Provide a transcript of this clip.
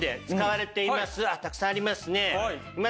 あったくさんありますね。